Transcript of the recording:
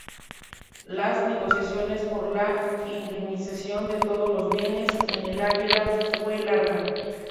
Las negociaciones por la indemnización de todos los bienes de El Águila fue larga.